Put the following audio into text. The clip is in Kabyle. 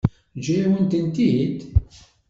Teǧǧa-yawen-ten-id?